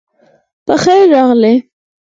پخير راغلې